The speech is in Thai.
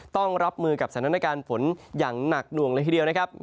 ต้องรับมือกับสถานการณ์ฝนอย่างหนักหน่วงเลยทีเดียวนะครับ